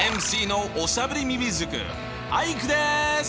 ＭＣのおしゃべりみみずくアイクです！